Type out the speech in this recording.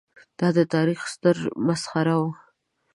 دا د تاریخ ستره مسخره وه.